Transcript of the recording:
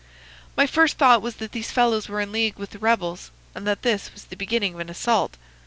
"My first thought was that these fellows were in league with the rebels, and that this was the beginning of an assault.